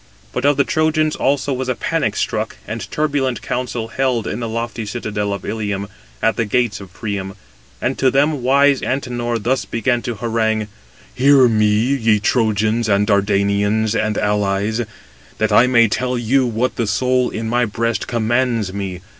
But of the Trojans also was a panic struck and turbulent council held in the lofty citadel of Ilium, at the gates of Priam; and to them wise Antenor thus began to harangue: "Hear me, ye Trojans and Dardanians and allies, that I may tell you what the soul in my breast commands me.